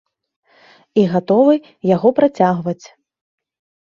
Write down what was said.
І гатовы яго працягваць.